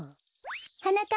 はなかっ